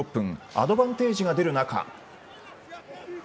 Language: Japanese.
アドバンテージが出る中。